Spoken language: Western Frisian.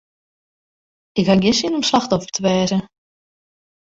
Ik haw gjin sin om slachtoffer te wêze.